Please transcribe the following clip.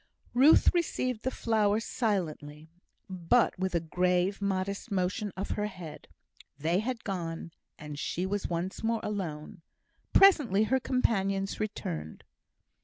Ruth received the flower silently, but with a grave, modest motion of her head. They had gone, and she was once more alone. Presently, her companions returned.